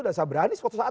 dan saya berani suatu saat